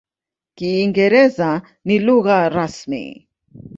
Kiingereza ni lugha rasmi.